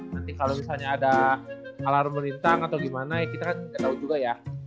nanti kalau misalnya ada alarm melintang atau gimana ya kita kan nggak tahu juga ya